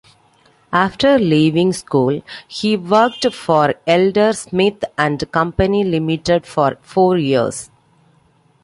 After leaving school, he worked for Elder, Smith and Company Limited for four years.